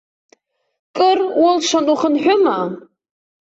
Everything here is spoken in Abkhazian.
Кыр улшан ухынҳәыма?